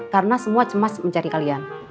karena semua cemas mencari kalian